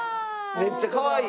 めっちゃかわいい。